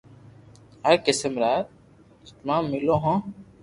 هر قسم را چۮما ملو هو